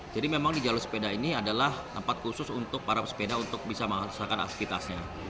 memang di jalur sepeda ini adalah tempat khusus untuk para pesepeda untuk bisa menghasilkan aktivitasnya